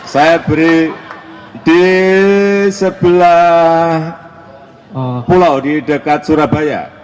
saya beri di sebelah pulau di dekat surabaya